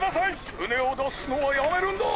ふねをだすのはやめるんだ！